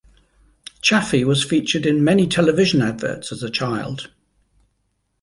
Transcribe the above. Chaffey was featured in many television adverts as a child.